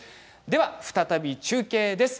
では再び中継です。